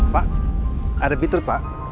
pak ada bitur pak